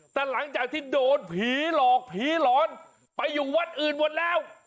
แต่หลังจากที่โดนผีหลอกผีหลอนไปอยู่วัดอื่นหมดแล้ว